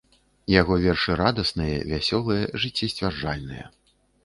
Яго вершы радасныя, вясёлыя, жыццесцвярджальныя.